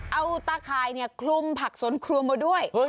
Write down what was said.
เอาตาข่ายคลุมผักสวนครัวมาด้วย